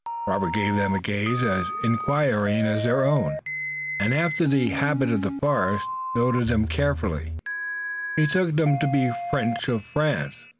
Robert gave them a gaze as inquiring as their own, and after the habit of the forest, noted them carefully. He took them to be French of France.